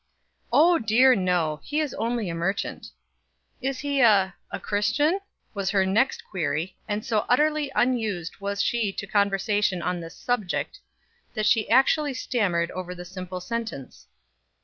"Oh dear no, he is only a merchant." "Is he a a Christian?" was her next query, and so utterly unused was she to conversation on this subject, that she actually stammered over the simple sentence.